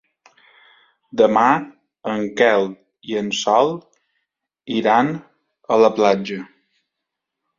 Demà en Quel i en Sol iran a la platja.